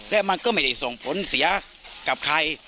และมันก็ไม่ได้ส่งผลเสียกับใคร